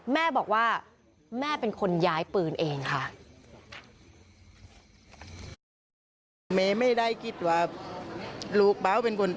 แม่บอกว่าแม่เป็นคนย้ายปืนเองค่ะ